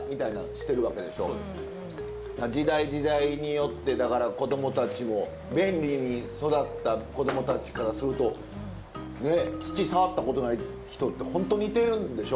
そうです。時代時代によってだから子供たちも便利に育った子供たちからするとね土触ったことない人ってホントにいてるんでしょ？